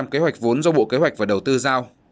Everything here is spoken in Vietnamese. bảy một mươi sáu kế hoạch vốn do bộ kế hoạch và đầu tư giao